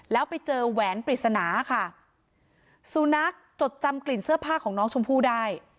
แล้วไปเจอแหวนปริศนาค่ะสุนัขจดจำกลิ่นเสื้อผ้าของน้องชมพู่ได้